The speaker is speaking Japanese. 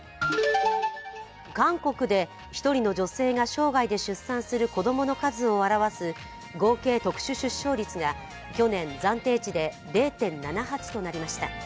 韓国で１人の女性が生涯で出産する子供の数を表す合計特殊出生率が去年、暫定値で０．７８となりました。